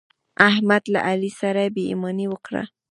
احمد له علي سره بې ايماني وکړه.